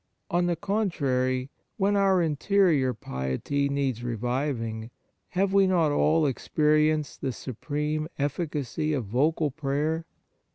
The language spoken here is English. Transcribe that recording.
On the contrary, when our interior piety needs reviving, have we not all experienced the supreme efficacy of vocal prayer